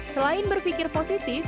selain berpikir positif